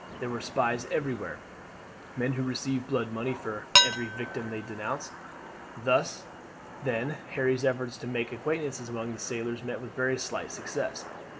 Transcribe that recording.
There were spies everywhere men who received blood money for every victim they denounced. Thus, then, Harry's efforts to make acquaintances among the sailors met with very slight success.